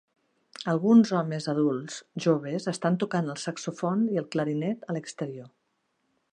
Alguns homes adults joves estan tocant el saxòfon i el clarinet a l'exterior.